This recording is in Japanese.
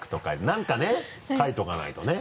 何かね書いとかないとね。